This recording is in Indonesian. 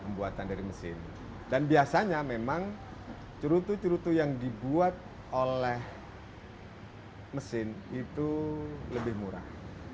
pembuatan dari mesin dan biasanya memang cerutu cerutu yang dibuat oleh mesin itu lebih murah